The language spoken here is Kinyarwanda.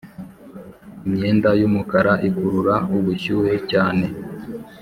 imyenda y'umukara ikurura ubushyuhe cyane